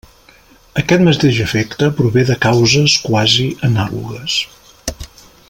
Aquest mateix efecte prové de causes quasi anàlogues.